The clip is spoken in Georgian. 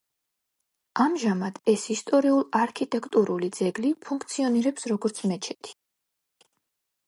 ამჟამად ეს ისტორიულ-არქიტექტურული ძეგლი ფუნქციონირებს, როგორც მეჩეთი.